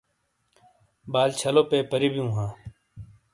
بال چھلو پیپری بیؤ ہاں۔